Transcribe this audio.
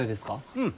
うん。